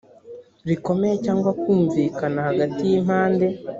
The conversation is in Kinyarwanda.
rikomeye cyangwa kumvikana hagati y impande